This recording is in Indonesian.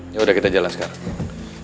yaudah kita jalan sekarang